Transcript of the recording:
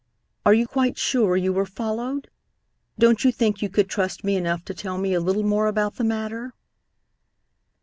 Are you quite sure you were followed? Don't you think you could trust me enough to tell me a little more about the matter?"